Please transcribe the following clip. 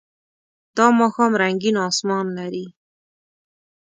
دا ماښام رنګین آسمان لري.